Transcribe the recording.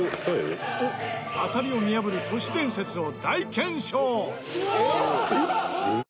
当たりを見破る都市伝説を大検証！